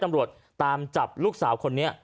ตำรวจตามจับลูกสาวคนนี้